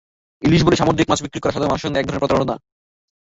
ইলিশ বলে সামুদ্রিক মাছ বিক্রি করা সাধারণ মানুষের সঙ্গে একধরনের প্রতারণা।